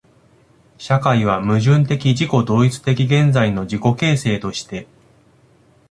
社会は矛盾的自己同一的現在の自己形成として、